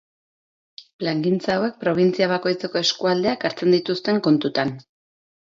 Plangintza hauek probintzia bakoitzeko eskualdeak hartzen dituzten kontutan.